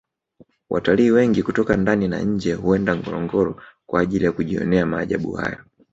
watalii wengi kutoka ndani na nje huenda ngorongoro kwa ajili ya kujionea maajabu hayo